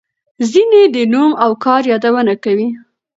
ځینې د نوم او کار یادونه کوي.